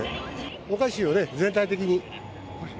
おかしいよね、全体的に。